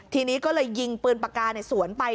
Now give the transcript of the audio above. ทีนี้ก็เลยยิงปืนปากกาในสวนไป